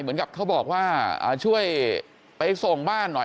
เหมือนกับเขาบอกว่าช่วยไปส่งบ้านหน่อย